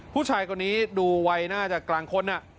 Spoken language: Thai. ผู้ชายคนนี้ดูวัยน่าจะกลางคน